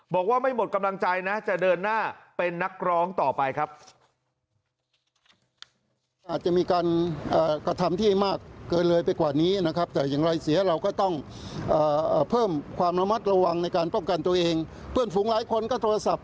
บอกว่าไม่หมดกำลังใจนะจะเดินหน้าเป็นนักร้องต่อไปครับ